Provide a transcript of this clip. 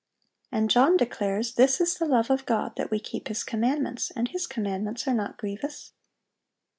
And John declares, "This is the love of God, that we keep His commandments: and His commandments are not grievous."